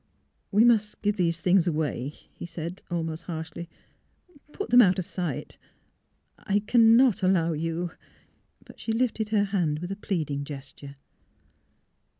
..." We must give these things away," he said, almost harshly, " put them out of sight; I cannot allow you " She lifted her hand with a pleading ges+ure.